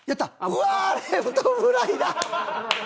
うわーレフトフライだ！